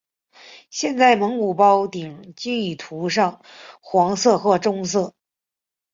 现在蒙古包顶部均已涂上橙色或棕色。